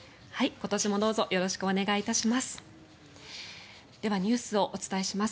今年もどうぞよろしくお願いいたします。